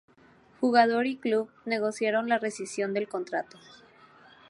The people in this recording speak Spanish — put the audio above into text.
Jugador y club negociaron la rescisión del contrato.